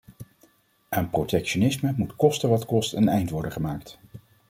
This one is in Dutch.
Aan protectionisme moet koste wat kost een eind worden gemaakt.